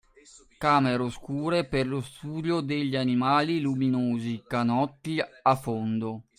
camere oscure per lo studio degli animali luminosi, canotti a fondo